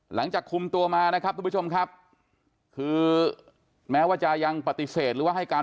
หลังจากคุมตัวมานะครับทุกผู้ชมครับคือแม้ว่าจะยังปฏิเสธหรือว่าให้การ